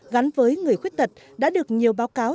gắn với người khuyết tật đã được nhiều báo cáo